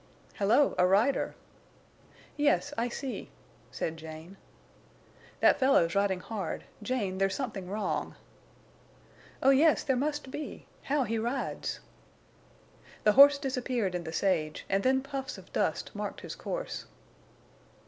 "Hello, a rider!" "Yes, I see," said Jane. "That fellow's riding hard. Jane, there's something wrong." "Oh yes, there must be.... How he rides!" The horse disappeared in the sage, and then puffs of dust marked his course.